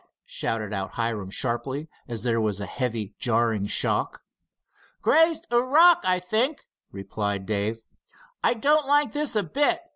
shouted out Hiram sharply, as there was a heavy jarring shock. "Grazed a rock, I think," replied Dave. "I don't like this a bit.